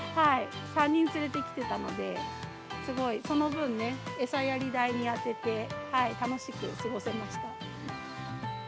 ３人連れてきてたので、すごいその分ね、餌やり代に充てて、楽しく過ごせました。